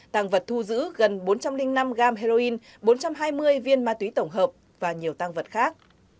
tàng vật thu giữ gần bốn trăm linh năm gram heroin bốn trăm hai mươi viên ma túy tổng hợp và nhiều tăng vật khác